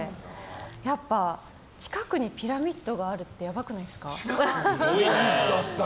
やっぱ、近くにピラミッドがあるってやばくないですか？